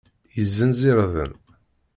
Yezzenz irden.